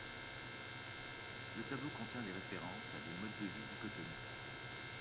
Le tableau contient des références à des modes de vie dichotomiques.